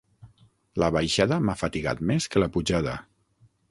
La baixada m'ha fatigat més que la pujada.